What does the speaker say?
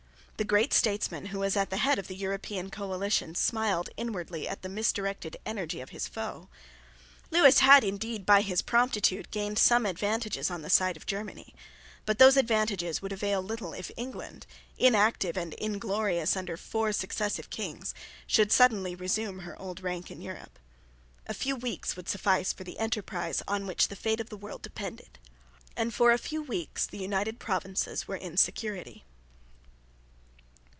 The great statesman who was at the head of the European coalition smiled inwardly at the misdirected energy of his foe. Lewis had indeed, by his promptitude, gained some advantages on the side of Germany: but those advantages would avail little if England, inactive and inglorious under four successive Kings, should suddenly resume her old rank in Europe. A few weeks would suffice for the enterprise on which the fate of the world depended; and for a few weeks the United Provinces were in security.